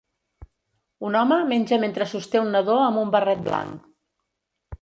Un home menja mentre sosté un nadó amb un barret blanc.